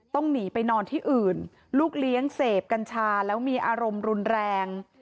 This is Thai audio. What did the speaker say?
ต้องหนีไปนอนที่อื่นลูกเลี้ยงเสพกัญชาแล้วมีอารมณ์รุนแรง